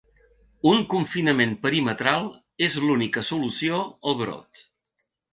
Un confinament perimetral és l’única solució al brot.